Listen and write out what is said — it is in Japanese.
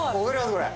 これ。